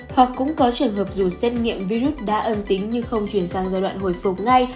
hoặc cũng có trường hợp dù xét nghiệm virus đã âm tính nhưng không chuyển sang giai đoạn hồi phục ngay